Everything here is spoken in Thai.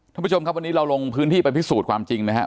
ท่านผู้ชมครับวันนี้เราลงพื้นที่ไปพิสูจน์ความจริงนะฮะ